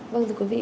vâng thưa quý vị